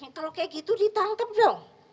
kalau kayak gitu ditangkap dong